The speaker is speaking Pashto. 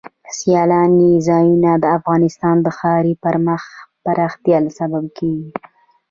سیلانی ځایونه د افغانستان د ښاري پراختیا سبب کېږي.